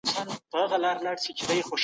که مذهب ته سپکاوی وسي نو کليسا غبرګون ښيي.